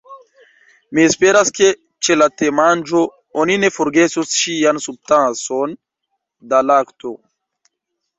"Mi esperas ke ĉe la temanĝo oni ne forgesos ŝian subtason da lakto.